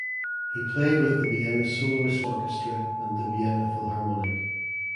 He played with the Vienna Soloist Orchestra and the Vienna Philharmonic.